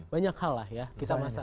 banyak hal lah ya